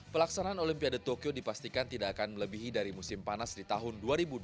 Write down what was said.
pelaksanaan olimpiade tokyo dipastikan tidak akan melebihi dari musim panas di tahun dua ribu dua puluh